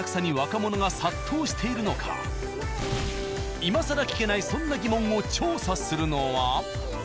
今更聞けないそんな疑問を調査するのは？